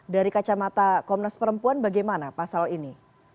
dari kacamata komnas perempuan bagaimana pasal ini